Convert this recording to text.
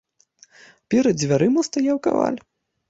Перад дзвярыма стаяў каваль.